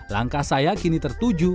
langkah saya kini tertuju